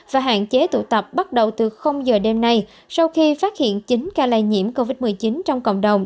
và hạn chế tụ tập bắt đầu từ giờ đêm nay sau khi phát hiện chín ca lây nhiễm covid một mươi chín trong cộng đồng